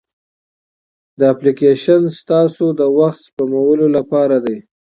دا اپلیکیشن ستاسو د وخت سپمولو لپاره دی.